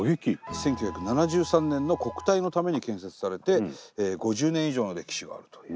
１９７３年の国体のために建設されて５０年以上の歴史があるという。